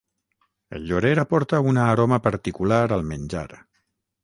El llorer aporta una aroma particular al menjar